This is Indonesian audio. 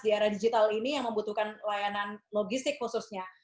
di era digital ini yang membutuhkan layanan logistik khususnya